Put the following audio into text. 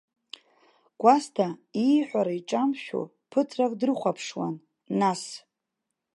Кәасҭа ииҳәара иҿамшәо ԥыҭрак дрыхәаԥшуан, нас.